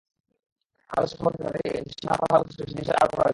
আগস্ট-সেপ্টেম্বর থেকে তাঁদের সীমানা পার হওয়ার ওপর কিছুটা বিধিনিষেধ আরোপ করা হয়েছিল।